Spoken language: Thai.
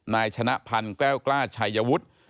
นายชนะพันธ์แก้วกล้าชัยวุฒิ